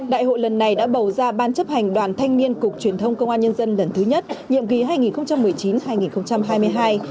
đại hội lần này đã bầu ra ban chấp hành đoàn thanh niên cục truyền thông công an nhân dân lần thứ nhất nhiệm kỳ hai nghìn một mươi chín hai nghìn hai mươi hai